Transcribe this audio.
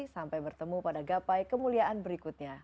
sampai bertemu pada gapai kemuliaan berikutnya